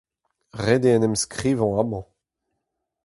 Ret eo en em enskrivañ amañ.